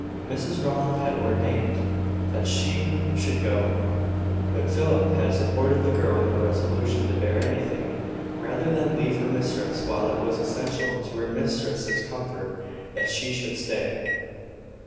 Mrs Rowland had ordained that she should go; but Philip had supported the girl in her resolution to bear anything, rather than leave her mistress while it was essential to her mistress's comfort that she should stay.